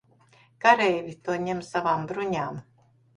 Kareivji to ņem savām bruņām.